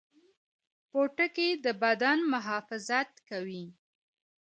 پوټکی د بدن محافظت کوي